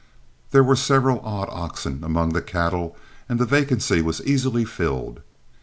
There were several odd oxen among the cattle and the vacancy was easily filled.